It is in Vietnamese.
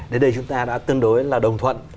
đến đây chúng ta đã tương đối là đồng thuận